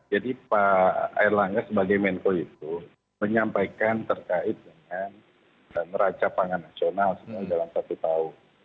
jadi pak erlangga sebagai menko itu menyampaikan terkait dengan meraca pangan nasional dalam satu tahun